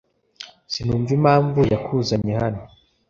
Sinumva impamvu yakuzanye hano.